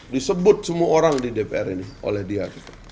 disebut semua orang di dpr ini oleh dia